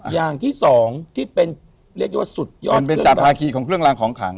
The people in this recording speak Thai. อย่างที่สองที่เป็นเรียกได้ว่าสุดยอดเป็นจากภาคีของเครื่องรางของขัง